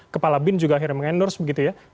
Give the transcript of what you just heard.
kepala bin juga akhirnya meng endorse begitu ya